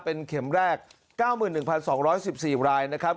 เป็นเข็มแรก๙๑๒๑๔รายนะครับ